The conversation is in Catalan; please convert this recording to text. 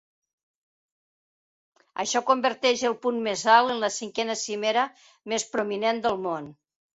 Això converteix el punt més alt en la cinquena cimera més prominent del món.